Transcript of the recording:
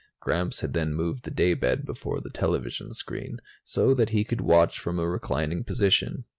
Gramps had then moved the daybed before the television screen, so that he could watch from a reclining position.